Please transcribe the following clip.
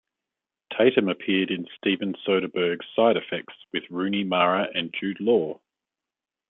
Tatum appeared in Steven Soderbergh's "Side Effects", with Rooney Mara and Jude Law.